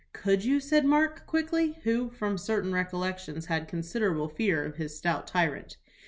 "Could you?" said Mark, quickly, who, from certain recollections, had considerable fear of his stout tyrant.